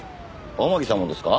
天樹さんもですか？